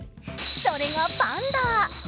それがパンダ。